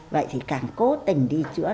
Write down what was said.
vậy thì càng cố tình đi chữa